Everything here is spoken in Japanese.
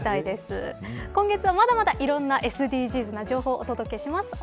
今月はまだまだいろんなＳＤＧｓな情報をお届けします。